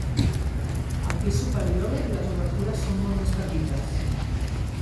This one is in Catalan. Al pis superior les obertures són molt més petites.